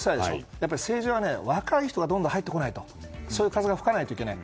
やっぱり政治は若い人がどんどん入ってこないとそういう風が吹かないといけない。